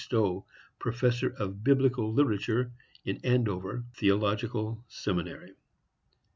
Stowe, Professor of Biblical Literature in Andover Theological Seminary: 1.